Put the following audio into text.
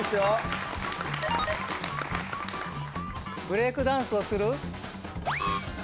ブレークダンスをする？